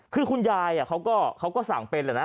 คือคุณยายเขาก็สั่งเป็นแหละนะ